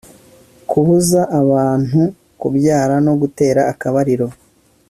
kubuza abantu kubyara no gutera akabariro